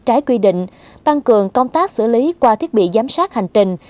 trái quy định tăng cường công tác xử lý qua thiết bị giám sát hành trình